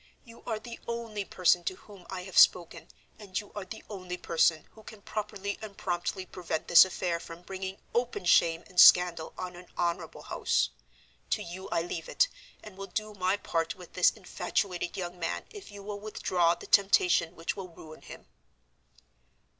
You are the only person to whom I have spoken, and you are the only person who can properly and promptly prevent this affair from bringing open shame and scandal on an honorable house. To you I leave it, and will do my part with this infatuated young man if you will withdraw the temptation which will ruin him."